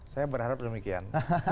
saya berharap demikian